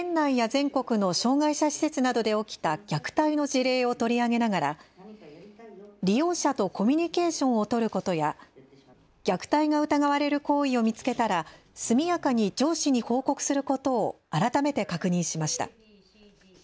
初めにこれまでに県内や全国の障害者施設などで起きた虐待の事例を取り上げながら利用者とコミュニケーションを取ることや虐待が疑われる行為を見つけたら速やかに上司に報告することを改めて確認しました。